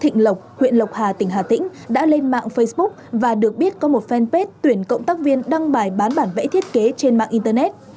thịnh lộc huyện lộc hà tỉnh hà tĩnh đã lên mạng facebook và được biết có một fanpage tuyển cộng tác viên đăng bài bán bản vẽ thiết kế trên mạng internet